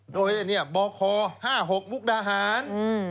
โดยบค๕๖มุกดาหาร